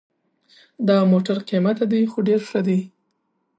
دا موټر قیمته ده خو ډېر ښه ده